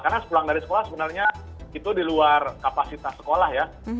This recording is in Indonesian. karena sepulang dari sekolah sebenarnya itu di luar kapasitas sekolah ya